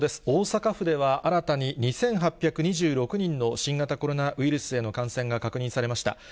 大阪府では、新たに２８２６人の新型コロナウイルスへの感染が確認されました。